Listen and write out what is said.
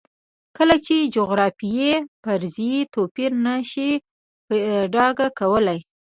کله چې د جغرافیې فرضیه توپیر نه شي په ډاګه کولی.